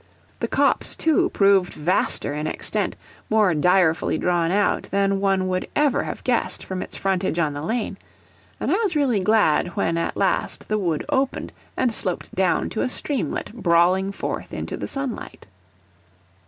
The copse, too, proved vaster in extent, more direfully drawn out, than one would ever have guessed from its frontage on the lane: and I was really glad when at last the wood opened and sloped down to a streamlet brawling forth into the sunlight.